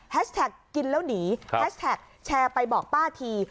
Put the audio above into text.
แท็กกินแล้วหนีแฮชแท็กแชร์ไปบอกป้าที